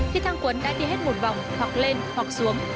khi đi thang quấn đã đi hết một vòng hoặc lên hoặc xuống